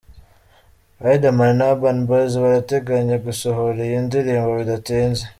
Riderman na Urban Boyz barateganya gusohora iyi ndirimbo bidatinze.